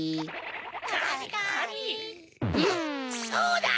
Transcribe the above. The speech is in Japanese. そうだ！